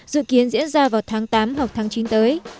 dự kiến diễn ra vào tháng tám hoặc tháng chín tới